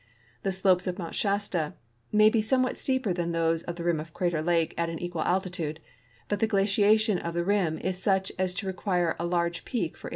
The slopes of Mount Shasta may be somewhat steeper than those of the rim of Crater lake at an equal altitude, but the giaciation of the rim is such as to re quire a large peak for its source.